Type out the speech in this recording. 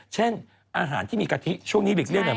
เช่นอาหารที่มีกะทิช่วงนี้หลีกเลี่ยเนี่ย